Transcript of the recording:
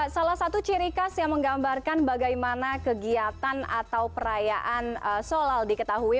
salah satu ciri khas yang menggambarkan bagaimana kegiatan atau perayaan solal diketahui